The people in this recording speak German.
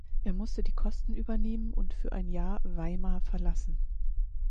Er musste die Kosten übernehmen und für ein Jahr Weimar verlassen.